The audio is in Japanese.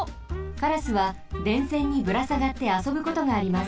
カラスは電線にぶらさがってあそぶことがあります。